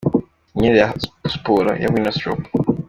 Imyenda ya Sport ya Winners' Shop.